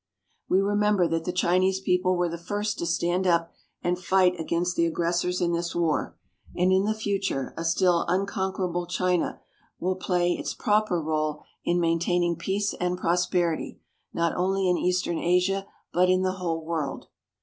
We remember that the Chinese people were the first to stand up and fight against the aggressors in this war; and in the future a still unconquerable China will play its proper role in maintaining peace and prosperity, not only in Eastern Asia but in the whole world.